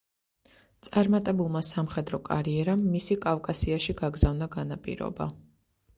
წარმატებულმა სამხედრო კარიერამ მისი კავკასიაში გაგზავნა განაპირობა.